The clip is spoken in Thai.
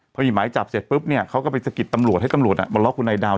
พอมีหมายจับเสร็จปุ๊บเนี่ยเขาก็ไปสะกิดตำรวจให้ตำรวจมาล็อกคุณนายดาว